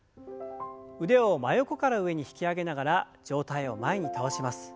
腕を真横から上に引き上げながら上体を前に倒します。